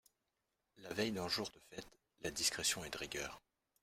La veille d’un jour de fête, la discrétion est de rigueur.